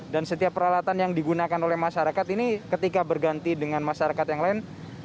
dan setiap peralatan yang digunakan oleh masyarakat ini ketika berganti dengan masyarakat yang lain